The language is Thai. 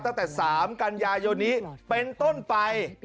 ตั้งแต่๓กันยายนนี้เป็นต้นไป